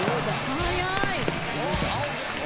速い。